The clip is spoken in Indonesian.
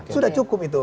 sudah cukup itu